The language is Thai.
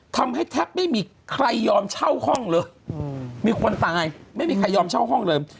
แทบไม่มีใครยอมเช่าห้องเลยมีคนตายไม่มีใครยอมเช่าห้องเลย